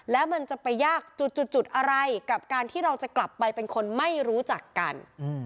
แล้วมันจะไปยากจุดอะไรกับการที่เราจะกลับไปเป็นคนไม่รู้จักกัน